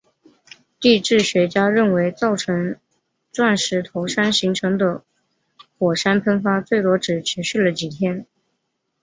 地质学家认为造成钻石头山形成的火山喷发最多只持续了几天。